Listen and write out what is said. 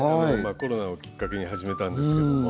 コロナをきっかけに始めたんですけども。